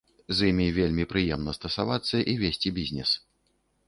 З імі вельмі прыемна стасавацца і весці бізнес.